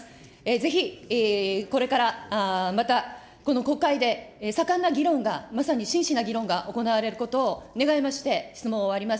ぜひこれからまた、この国会で盛んな議論が、まさに真摯な議論が行われることを願いまして質問を終わります。